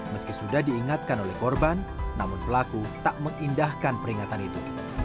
meski sudah diingatkan oleh korban namun pelaku tak mengindahkan peringatan itu